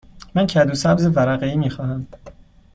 من کدو سبز ورقه ای می خواهم.